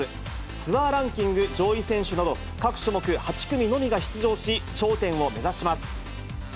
ツアーランキング上位選手など、各種目８組のみが出場し、頂点を目指します。